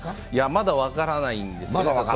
まだ分からないんです。